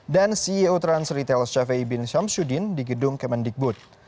dan ceo transretail syafi'i bin syamsuddin di gedung kemendikbud